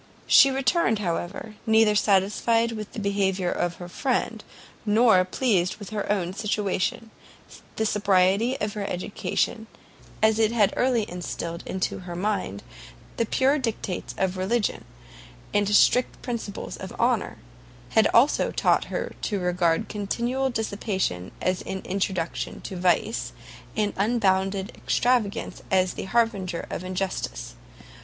She returned, however, neither satisfied with the behaviour of her friend, nor pleased with her own situation: the sobriety of her education, as it had early instilled into her mind the pure dictates of religion, and strict principles of honour, had also taught her to regard continual dissipation as an introduction to vice, and unbounded extravagance as the harbinger of injustice.